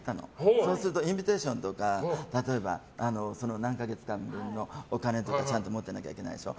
そうするとインビテーションとか例えば何か月間のお金とか持ってなきゃいけないでしょ。